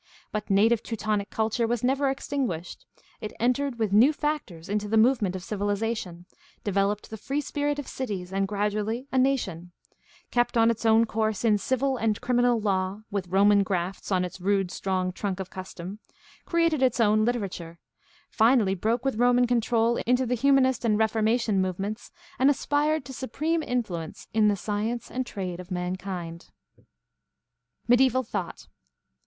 But native Teutonic culture was never extinguished; it entered with new factors into the movement of civilization; developed the free spirit of cities, and gradually a nation; kept on its own course in civil and criminal law, with Roman grafts on its rude strong trunk of custom; created its own literature; finally broke with Roman control into the Humanist and Reformation movements, and aspired to supreme influence in the science and trade of mankind. Mediaeval thought.